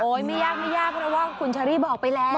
ไม่ยากไม่ยากเพราะว่าคุณเชอรี่บอกไปแล้ว